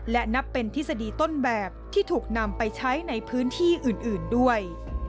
และนับเป็นทฤษฎีต้นแบบที่ถูกนำไปใช้ในพื้นที่อื่นด้วย